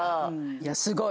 いやすごい。